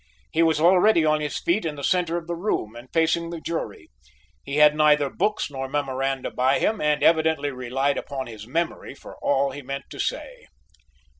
He was already on his feet in the centre of the room and facing the jury. He had neither books nor memoranda by him and evidently relied upon his memory for all he meant to say.